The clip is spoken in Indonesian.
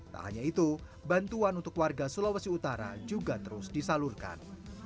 tak hanya itu bantuan untuk warga sulawesi utara juga terus disalurkan